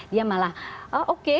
dia malah ah oke